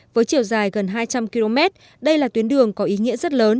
với chiều dài gần hai trăm linh km đây là tuyến đường có ý nghĩa rất lớn